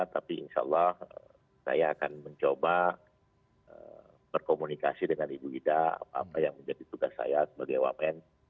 tapi insya allah saya akan mencoba berkomunikasi dengan ibu ida apa yang menjadi tugas saya sebagai wamen